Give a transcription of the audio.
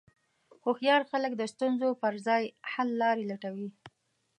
هوښیار خلک د ستونزو پر ځای حللارې لټوي.